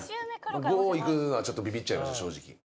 ５いくのはちょっとビビっちゃいました正直。